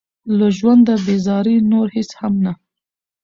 له ژونده بېزاري نور هېڅ هم نه.